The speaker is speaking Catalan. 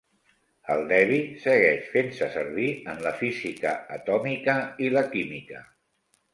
El debye segueix fent-se servir en la física atòmica i la química.